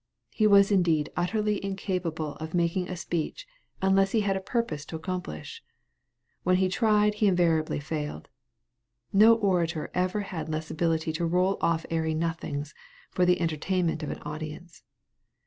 He was indeed utterly incapable of making a speech unless he had a purpose to accomplish; when he tried he invariably failed; no orator ever had less ability to roll off airy nothings for the entertainment of an audience.